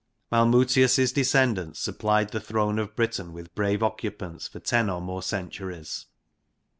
Malmutius' descendants supplied the throne of Britain with brave occupants for ten or more centuries.